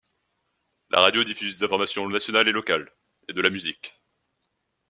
La radio diffuse les informations nationales et locales et de la musique.